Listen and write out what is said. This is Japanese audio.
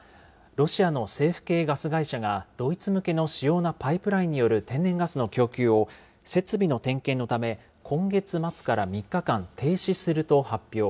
ロシアの政府系ガス会社がドイツ向けの主要なパイプラインによる天然ガスの供給を、設備の点検のため、今月末から３日間、停止すると発表。